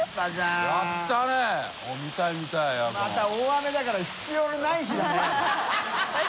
また大雨だから必要のない日だねハハハ